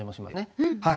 はい。